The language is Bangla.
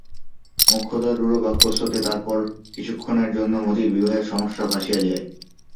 মোক্ষদার রূঢ় বাক্যস্রোতে তারপর কিছুক্ষণের জন্য মতির বিবাহের সমস্যা ভাসিয়া যায়।